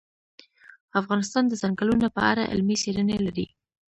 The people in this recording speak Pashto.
افغانستان د ځنګلونه په اړه علمي څېړنې لري.